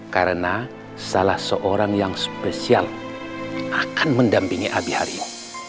karena salah seorang yang spesial akan mendampingi abi hari ini